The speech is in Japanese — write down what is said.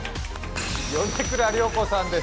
米倉涼子さんです